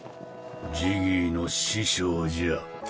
ジギーの師匠じゃ。